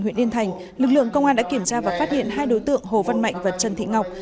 huyện yên thành lực lượng công an đã kiểm tra và phát hiện hai đối tượng hồ văn mạnh và trần thị ngọc